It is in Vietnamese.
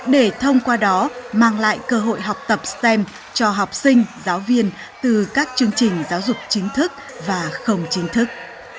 để thông qua đó mang lại cơ hội học tập stem cho học sinh giáo viên từ các chương trình giáo dục chính thức và không chính thức